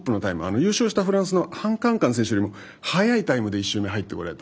優勝したフランスのハンカンカン選手よりも早いタイムで１周目、入ってこられて。